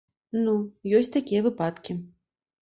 Ну, ёсць такія выпадкі.